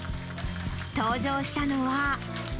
登場したのは。